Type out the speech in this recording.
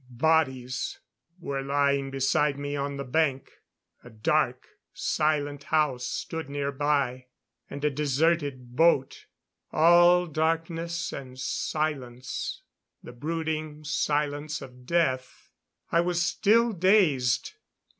Bodies were lying around me on the bank. A dark, silent house stood nearby; and a deserted boat. All darkness and silence the brooding silence of death. I was still dazed.